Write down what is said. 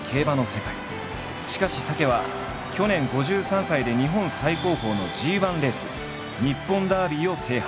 しかし武は去年５３歳で日本最高峰のＧ１レース日本ダービーを制覇。